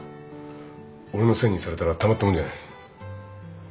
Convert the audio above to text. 俺のせいにされたらたまったもんじゃない。